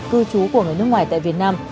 cư trú của người nước ngoài tại việt nam